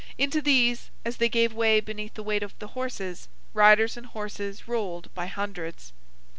Into these, as they gave way beneath the weight of the horses, riders and horses rolled by hundreds.